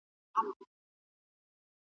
چي هر څو یې هېرومه نه هیریږي .